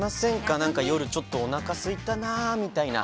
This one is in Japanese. なんか夜ちょっとおなか、すいたなみたいな。